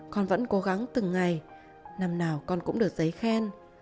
con vẫn cố gắng từng ngày năm nào con cũng được giấy khen